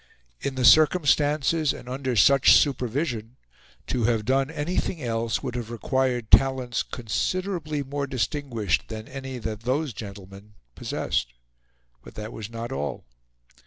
In the circumstances, and under such supervision, to have done anything else would have required talents considerably more distinguished than any that those gentlemen possessed. But that was not all.